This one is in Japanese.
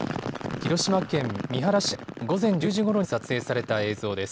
広島県三原市で午前１０時ごろに撮影された映像です。